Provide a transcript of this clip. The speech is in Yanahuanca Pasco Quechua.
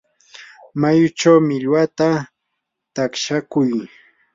mayuchaw millwata takshakuy.